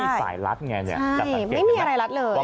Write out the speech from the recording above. มันไม่มีสายลัดไงเนี่ยใช่ไม่มีอะไรลัดเลย